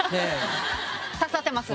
刺さってます？